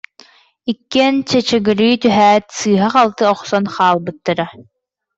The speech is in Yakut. Иккиэн чаачыгырыы түһээт, сыыһа-халты охсон хаал- быттара